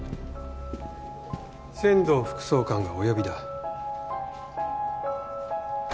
千堂副総監がお呼びだ。